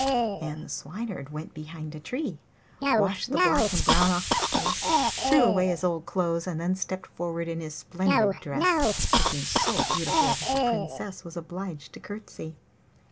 And the Swineherd went behind a tree, washed the black and brown off his face, threw away his old clothes, and then stepped forward in his splendid dress, looking so beautiful that the Princess was obliged to courtesy.